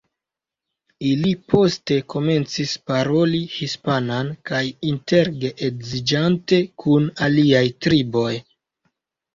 Ili poste komencis paroli hispanan kaj inter-geedziĝante kun aliaj triboj.